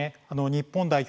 日本代表